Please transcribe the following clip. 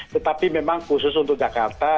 tetapi memang khusus untuk jakarta